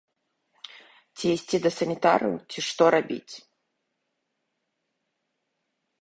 Ці ісці да санітараў, ці што рабіць?